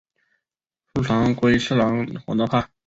濑长龟次郎我那霸。